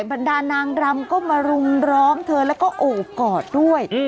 บรรดานางรำก็มารุมร้อมเธอแล้วก็โอบกอดด้วย